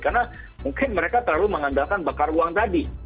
karena mungkin mereka terlalu mengandalkan bakar uang tadi